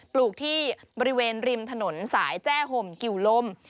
ลูกที่บริเวณริมถนนสายแจ้ห่มกิวลม